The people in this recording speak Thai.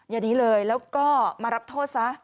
อย่างนี้เลยแล้วก็มารับโทษซะ